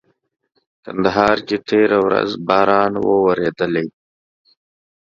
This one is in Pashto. کندهار کي تيره ورځ باران ووريدلي.